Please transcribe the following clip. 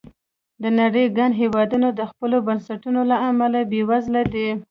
د نړۍ ګڼ هېوادونه د خپلو بنسټونو له امله بېوزله دي.